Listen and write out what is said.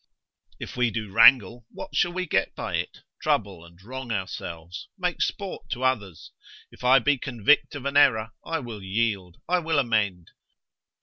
If we do wrangle, what shall we get by it? Trouble and wrong ourselves, make sport to others. If I be convict of an error, I will yield, I will amend.